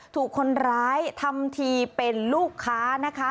ถูกคนร้ายทำทีเป็นลูกค้านะคะ